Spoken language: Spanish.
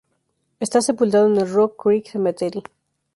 Esta sepultado en el Rock Creek Cemetery.